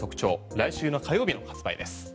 来週の火曜日の発売です。